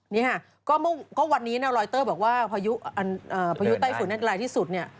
นี่ค่ะก็วันนี้นะรอยเตอร์บอกว่าพายุไต้ฝุ่นรายที่สุดเนี่ย